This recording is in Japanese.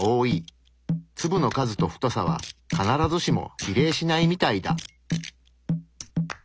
粒の数と太さは必ずしも比例しないみたいだ。